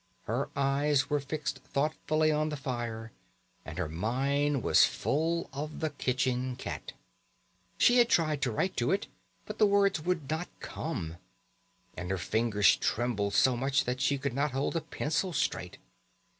Her eyes were fixed thoughtfully on the fire, and her mind was full of the kitchen cat. She had tried to write to it, but the words would not come, and her fingers trembled so much that she could not hold the pencil straight.